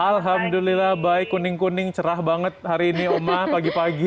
alhamdulillah baik kuning kuning cerah banget hari ini omah pagi pagi